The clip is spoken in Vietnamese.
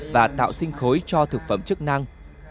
và tạo sinh khối cho thực phẩm chức năng